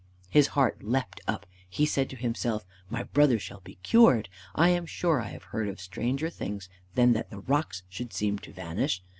His heart leapt up. He said to himself, "My brother shall be cured. I am sure I have heard of stranger things than that the rocks should seem to vanish.